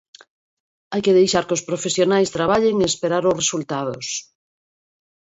Hai que deixar que os profesionais traballen e esperar os resultados.